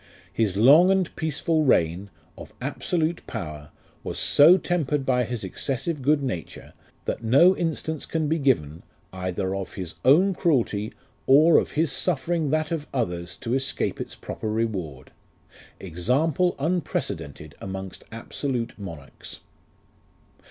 His long and peaceful reign, of Absolute power, "Was so tempered by his Excessive good nature, That no instance can be given either of his own cruelty, Or of his suffering that of others to escape Its proper reward. Example unprecedented amongst absolute monarchs.